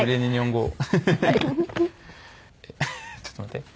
ちょっとね。